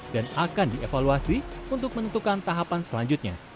dan akan dievaluasi untuk menentukan tahapan selanjutnya